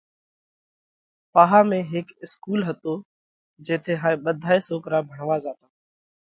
پاها ۾ هيڪ اِسڪُول هتو جيٿئہ هائي ٻڌائي سوڪرا ڀڻوا زاتا۔